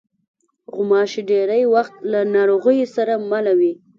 غوماشې ډېری وخت له ناروغیو سره مله وي.